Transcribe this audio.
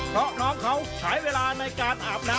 เพราะน้องเขาใช้เวลาในการอาบน้ำ